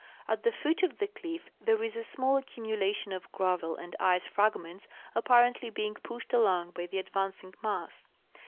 At the foot of the cliff there is a small accumulation of gravel and ice fragments, apparently being j^ushed along by the advancing mass.